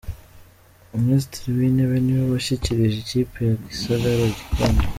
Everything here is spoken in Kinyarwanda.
Minisitiri w’Intebe niwe washyikirije ikipe ya Gisagara igikombe.